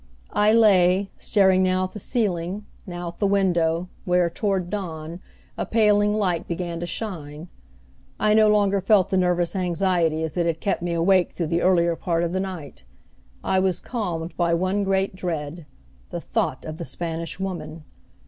I lay, staring now at the ceiling, now at the window, where, toward dawn, a paling light began to shine. I no longer felt the nervous anxieties that had kept me awake through the earlier part of the night. I was calmed by one great dread, the thought of the Spanish Woman!